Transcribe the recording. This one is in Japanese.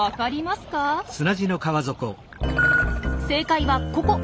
正解はここ。